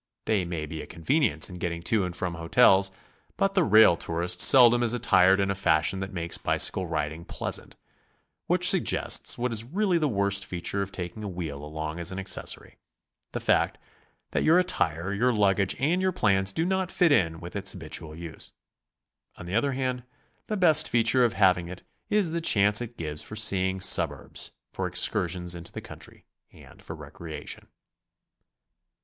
They may be a convenience in getting to and from hotels, but the rail tourist seldom is aitired in a fashion that makes bicycle riding pleasant, which suggests what is really the worst feature of taking a wheel along as an accessory, — the fact that your at tire, your luggage and your plans do not fit in with its habitual use. On the other hand, the best feature of having it is the chance it gives for seeing suburbs, for excursions into the country and for recreation.